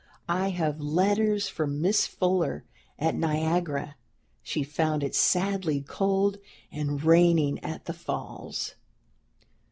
I have letters from Miss Fuller at Niagara. She found it sadly cold and rainy at the Falls."